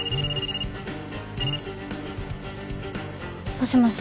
もしもし。